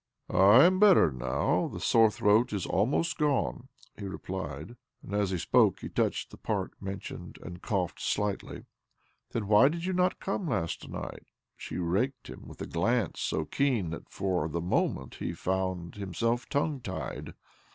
" I am better now — the sore throat is 220 OBLOMOV almost gone," he replied ; and as he spoke he touched the part mentioned, and coughed slightly. " Then why did you not come last night ?" She raked him with a glance so keen that for the moment he found himself tongue tied.